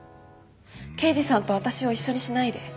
刑事さんと私を一緒にしないで。